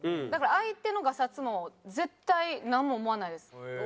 だから相手のがさつも絶対なんも思わないです。